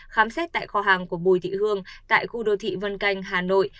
khám xét tại kho hàng của bùi thị hương tại khu đô thị vân canh hà nội